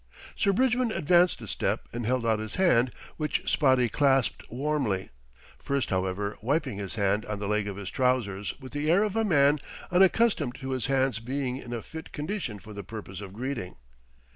Sir Bridgman advanced a step and held out his hand, which Spotty clasped warmly, first however, wiping his hand on the leg of his trousers with the air of a man unaccustomed to his hands being in a fit condition for the purpose of greeting.